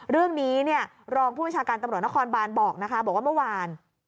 เรื่องนี้เนี่ยรองผู้บัญชาการตำรวจนครบานบอกนะคะบอกว่าเมื่อวาน